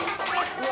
うわ